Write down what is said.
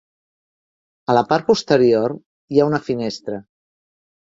A la part posterior, hi ha una finestra.